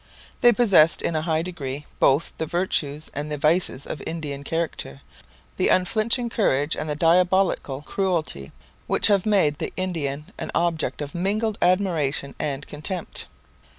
They possessed in a high degree both the virtues and the vices of Indian character the unflinching courage and the diabolical cruelty which have made the Indian an object of mingled admiration and contempt.